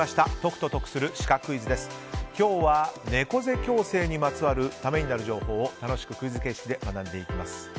今日は猫背矯正にまつわるためになる情報を楽しくクイズ形式で学んでいきます。